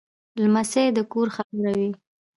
لمسی د کور خبره وي.